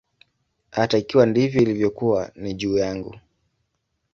Hata ikiwa ndivyo ilivyokuwa, ni juu yangu.